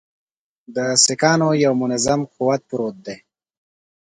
د سیکهانو یو منظم قوت پروت دی.